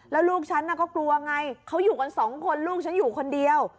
แล้วลูกฉันก็กลัวไงเขาอยู่กันสองคนลูกฉันอยู่คนเดียว